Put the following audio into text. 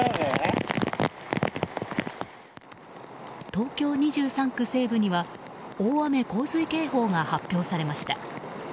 東京２３区西部には大雨・洪水警報が発表されました。